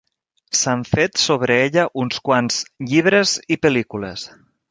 S'han fet sobre ella uns quants llibres i pel·lícules.